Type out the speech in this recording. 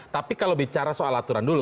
tapi kalau bicara soal aturan dulu